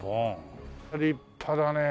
立派だねえ。